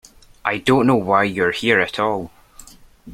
I don't know why you're here at all.